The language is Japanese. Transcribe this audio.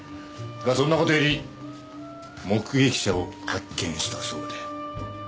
がそんな事より目撃者を発見したそうで。